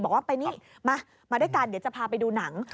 บอกว่าไปนี่มามาด้วยกันเดี๋ยวจะพาไปดูหนัง